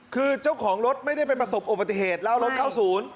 คือเจ้าของรถไม่ได้ไปประสบอุบัติเหตุแล้วรถเข้าศูนย์